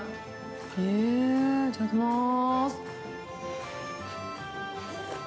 へぇ、いただきます。